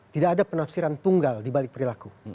tidak ada penafsiran tunggal dibalik perilaku